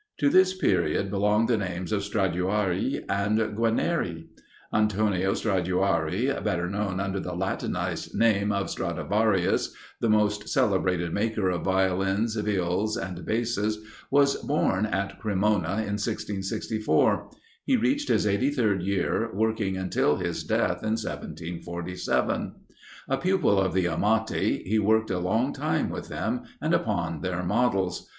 To this period belong the names of Stradiuari and Guarnieri. Antonio Stradiuari, better known under the Latinised name of Stradivarius, the most celebrated maker of Violins, Viols, and Basses, was born at Cremona in 1664; he reached his eighty third year, working until his death in 1747. A pupil of the Amati, he worked a long time with them, and upon their models.